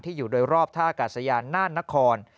อยู่โดยรอบท่ากาศยานน่านนคร